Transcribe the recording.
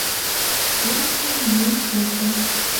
Шонышым, еҥ керте.